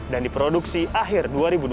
dan diproduksi akhir dua ribu dua puluh satu